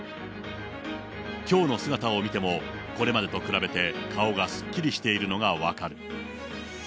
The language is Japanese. きょうの姿を見ても、これまでと比べて顔がすっきりしているのが分かる。